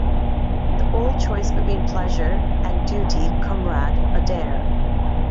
The old choice between Pleasure and Duty, Comrade Adair.